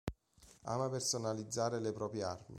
Ama personalizzare le proprie armi.